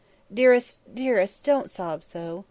Dearest, dearest, don't sob so.